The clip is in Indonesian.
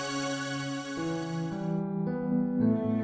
kalau kamu nyal responsible ini dulu berapa